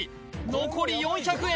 残り４００円